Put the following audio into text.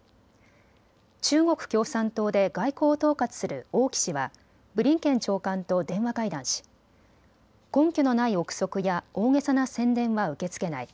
中国共産党で外交を統括する王毅氏はブリンケン長官と電話会談し根拠のない臆測や大げさな宣伝は受けつけない。